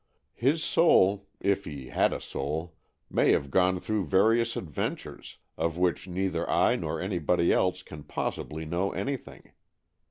His soul, if he had a soul, may have gone through various adventures, of which neither I nor anybody else can possibly know anything.